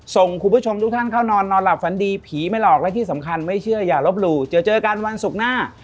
ส่งคุณผู้ชมทุกท่านเข้านอนนอนหลับฝันดีผีไม่หลอกและที่สำคัญไม่เชื่ออย่าลบหลู่เจอกันวันศุกร์หน้า